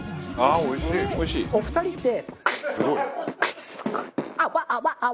お二人って。